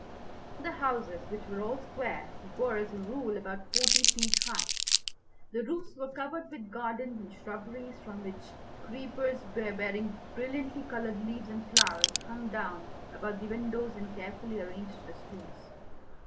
The houses, which were all square, were, as a rule, about forty feet high. The roofs were covered with gardens and shrubberies, from which creepers, bearing brillantly coloured leaves and flowers, hung down about the windows in carefully arranged festoons.